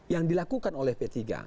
yang dilakukan oleh p tiga